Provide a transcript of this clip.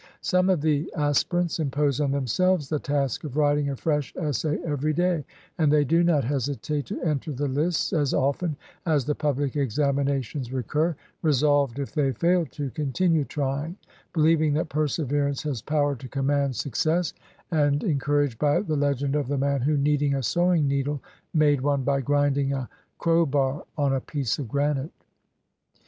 Some of the aspirants impose on themselves the task of writing a fresh essay every day; and they do not hesi tate to enter the lists as often as the public examina tions recur, resolved, if they fail, to continue trying, believing that perseverance has power to command suc cess, and encouraged by the legend of the man who, needing a sewing needle, made one by grinding a crow bar on a piece of granite.